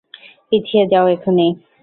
পিছিয়ে যাও এখনই!